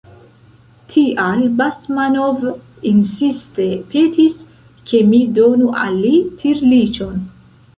Tial Basmanov insiste petis, ke mi donu al li tirliĉon.